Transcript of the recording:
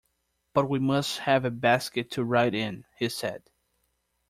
"But we must have a basket to ride in," he said.